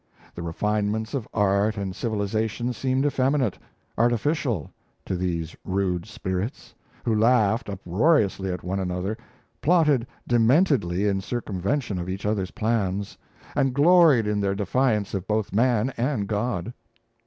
The refinements of art and civilization seemed effeminate, artificial, to these rude spirits, who laughed uproariously at one another, plotted dementedly in circumvention of each other's plans, and gloried in their defiance of both man and God.